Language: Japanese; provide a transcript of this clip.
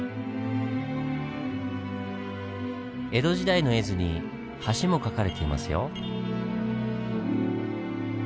江戸時代の絵図に橋も描かれていますよ。